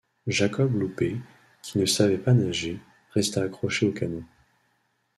Jacob Louper, qui ne savait pas nager, resta accroché au canot.